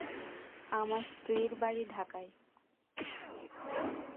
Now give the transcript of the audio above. আমার স্ত্রীর বাড়ি ঢাকায়।